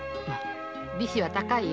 利子は高いよ。